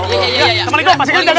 assalamualaikum pak srikiti jagain ya